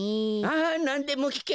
あなんでもきけ！